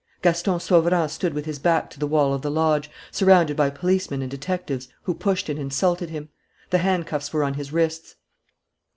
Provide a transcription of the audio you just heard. Gaston Sauverand stood with his back to the wall of the lodge, surrounded by policemen and detectives who pushed and insulted him. The handcuffs were on his wrists.